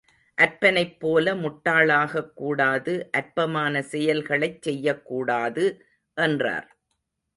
அற்பனைப்போல முட்டாளாகக்கூடாது அற்பமான செயல்களைச் செய்யக்கூடாது என்றார்.